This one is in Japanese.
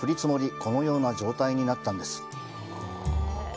このような状態になったんです。